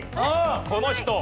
この人。